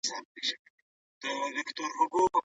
پښتو باید په ټولو اپلیکیشنونو کې شتون ولري.